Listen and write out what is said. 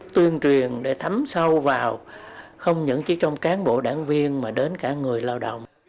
tuyên truyền để thấm sâu vào không những chỉ trong cán bộ đảng viên mà đến cả người lao động